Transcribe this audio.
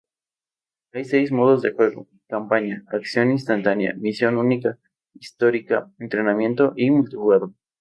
Hay seis modos de juego: Campaña, Acción instantánea, Misión única, Histórica, Entrenamiento y Multijugador.